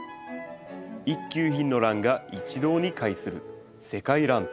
一級品のランが一堂に会する「世界らん展」。